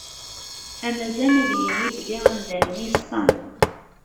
Amazan ad yini belli amdan-nni yeṣfa.